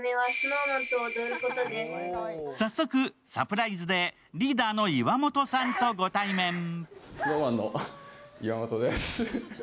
早速、サプライズでリーダーの岩本さんとご対面。